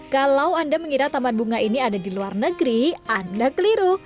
kalau anda mengira taman bunga ini ada di luar negeri anda keliru